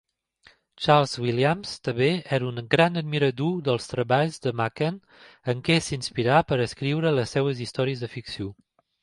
Charles Williams també era un gran admirador dels treballs de Machen, en què s'inspirà per escriure les seves històries de ficció.